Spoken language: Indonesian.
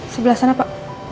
sebelah sana pak